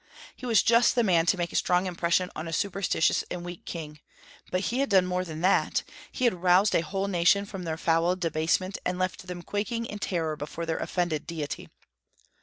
He was just the man to make a strong impression on a superstitious and weak king; but he had done more than that, he had roused a whole nation from their foul debasement, and left them quaking in terror before their offended Deity.